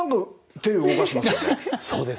そうです。